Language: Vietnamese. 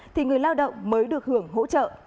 thì người lao động mới được hưởng hỗ trợ